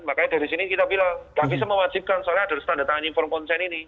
makanya dari sini kita bilang tapi semua wajib kan soalnya ada tanda tangan inform konsen ini